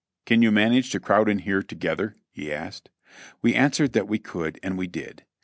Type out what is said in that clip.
"Can you manage to crowd in here together?" he asked. We answered that we could, and we did.